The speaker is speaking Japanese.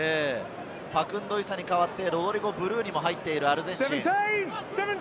ファクンド・イサに代わって、ロドリゴ・ブルーニが入っているアルゼンチン。